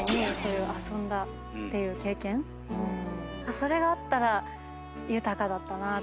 それがあったら豊かだったなと。